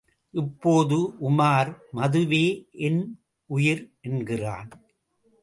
இப்போது உமார், மதுவே என் உயிர் என்கிறான்.